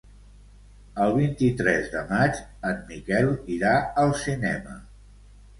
El vint-i-tres de maig en Miquel irà al cinema.